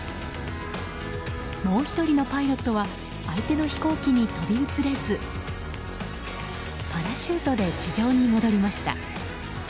もう１人のパイロットは相手の飛行機に飛び移れずパラシュートで地上に戻りました。